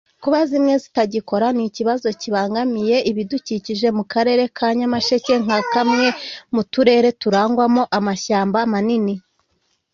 kuba zimwe zitagikora ni ikibazo kibangamiye ibidukikije mu Karere ka Nyamasheke nka kamwe mu Turere turangwamo amashyamba manini